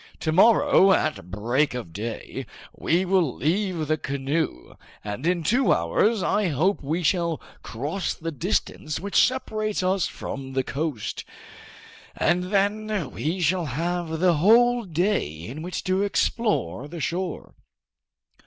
"To morrow, at break of day, we will leave the canoe, and in two hours I hope we shall cross the distance which separates us from the coast, and then we shall have the whole day in which to explore the shore."